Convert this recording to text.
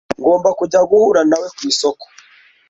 Ngomba kujya guhura nawe ku isoko.